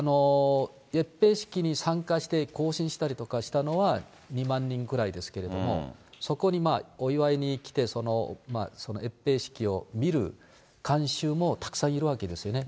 閲兵式に参加して行進したりとかしたのは、２万人くらいですけれども、そこにお祝いに来て、閲兵式を見る観衆もたくさんいるわけですよね。